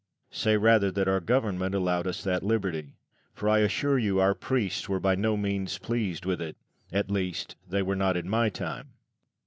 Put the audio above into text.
Lucian. Say rather that our Government allowed us that liberty; for I assure you our priests were by no means pleased with it at least, they were not in my time.